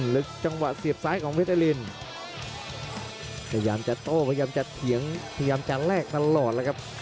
ลึกจังหวะเสียบซ้ายของเวทยาลินพยายามจะโตพยายามจะแรกตลอด